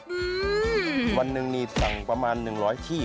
อื้อวันหนึ่งนี่สั่งประมาณ๑๐๐ที่